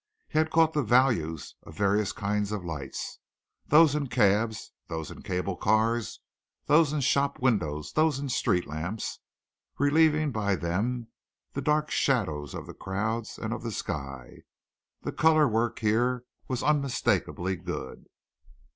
He had caught the values of various kinds of lights, those in cabs, those in cable cars, those in shop windows, those in the street lamp relieving by them the black shadows of the crowds and of the sky. The color work here was unmistakably good.